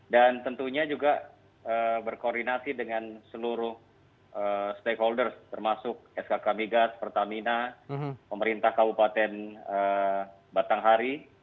dan tentunya juga berkoordinasi dengan seluruh stakeholders termasuk skk migas pertamina pemerintah kabupaten batanghari